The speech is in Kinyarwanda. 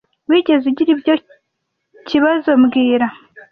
Wigeze ugira ibyo kibazo mbwira